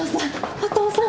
お父さん！